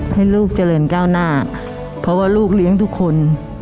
ให้ลูกเจริญก้าวหน้าเพราะว่าลูกเลี้ยงทุกคน